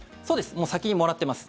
もう先にもらってます。